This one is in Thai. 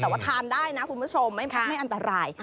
แต่ว่าทานได้นะคุณผู้ชมไม่อันตราย